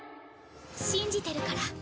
信じてるから。